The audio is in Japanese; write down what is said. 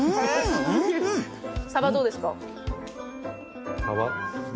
サバどうですか？